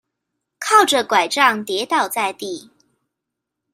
靠著柺杖跌倒在地